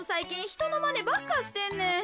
ひとのまねばっかしてんねん。